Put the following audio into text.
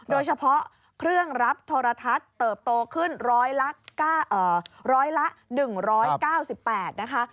โดยเฉพาะเครื่องรับโทรทัศน์เติบโตขึ้นร้อยละ๑๙๘นะคะ